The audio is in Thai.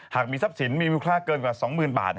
หากมีทรัพย์สินมีมูลค่าเกินกว่า๒๐๐๐บาท